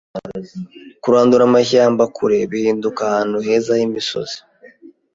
Kurandura amashyamba kure bihinduka ahantu heza h'imisozi.